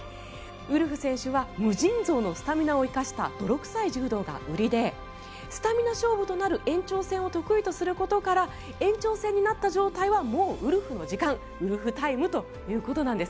ウルフ選手は無尽蔵のスタミナを生かした泥臭い柔道が売りでスタミナ勝負となる延長戦を得意とすることから延長戦になった状態はもうウルフの時間ウルフタイムということです。